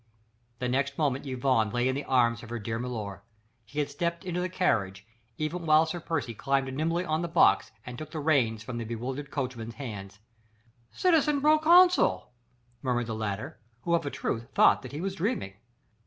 The next moment Yvonne lay in the arms of her dear milor. He had stepped into the carriage, even while Sir Percy climbed nimbly on the box and took the reins from the bewildered coachman's hands. "Citizen proconsul ..." murmured the latter, who of a truth thought that he was dreaming.